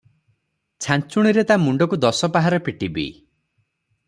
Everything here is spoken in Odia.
ଛାଞ୍ଚୁଣିରେ ତା ମୁଣ୍ଡରେ ଦଶ ପାହାର ପିଟିବି!